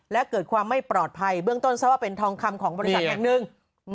และเกิดความไม่ปลอดภัยเบื้องต้นทราบว่าเป็นทองคำของบริษัทแห่งหนึ่ง